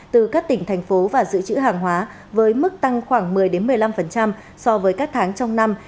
từ các tỉnh thành phố và dự trữ hàng hóa với mức tăng khoảng một mươi một mươi năm so với các tháng trong năm